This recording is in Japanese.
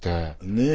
ねえ。